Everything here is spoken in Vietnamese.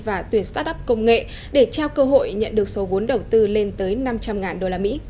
và tuyển start up công nghệ để trao cơ hội nhận được số vốn đầu tư lên tới năm trăm linh usd